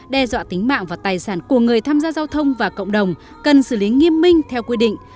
đe dọa tính mạng và tài sản của người tham gia giao thông và cộng đồng cần xử lý nghiêm minh theo quy định